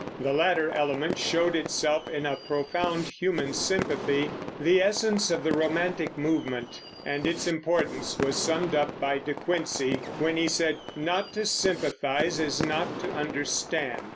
The latter element showed itself in a profound human sympathy, the essence of the romantic movement, and its importance was summed up by De Quincey when he said, "Not to sympathize is not to understand."